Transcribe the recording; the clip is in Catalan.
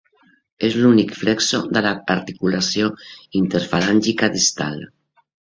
És l'únic flexor de l'articulació interfalàngica distal.